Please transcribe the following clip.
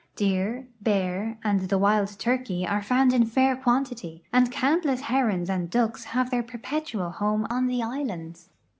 Deer, bear, and the wild turke}^ are found in fair quantity, and countless herons and ducks have their perpetual home on the islands.